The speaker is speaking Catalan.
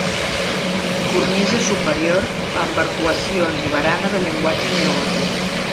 Cornisa superior amb arcuacions i barana de llenguatge neogòtic.